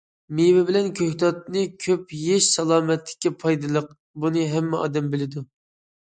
مېۋە بىلەن كۆكتاتنى كۆپ يېيىش سالامەتلىككە پايدىلىق، بۇنى ھەممە ئادەم بىلىدۇ.